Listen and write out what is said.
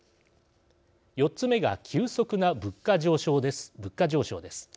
４つ目が急速な物価上昇です。